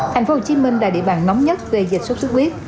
tp hcm là địa bàn nóng nhất về dịch sốt sốt huyết